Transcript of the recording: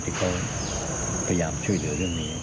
ที่เขาพยายามช่วยเหลือเรื่องนี้